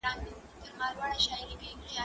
هغه څوک چي سندري اوري خوشاله وي!؟